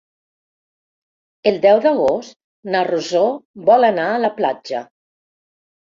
El deu d'agost na Rosó vol anar a la platja.